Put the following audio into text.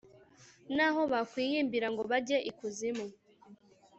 Naho bakwiyimbira ngo bajye ikuzimu